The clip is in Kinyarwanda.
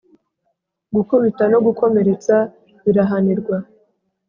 gukubita no gukomeretsa birahanirwa